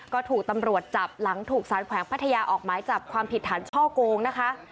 ก็ถูกตำรวจจับหลังถูกสารแขวงพัทยาออกหมายจับความผิดฐานช่อโกงนะคะ